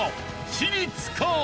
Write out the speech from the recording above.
私立か？